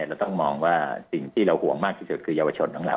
เราต้องมองว่าสิ่งที่เราห่วงมากที่สุดคือเยาวชนของเรา